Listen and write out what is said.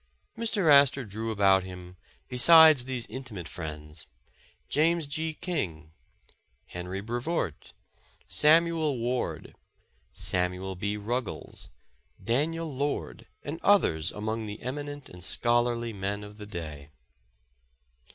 Mr. Astor drew about him, besides these intimate friends, James G. King, Henry Brevoort, Samuel Ward, Samuel B. Ruggles, Daniel Lord and others among the eminent and scholarly men of the day.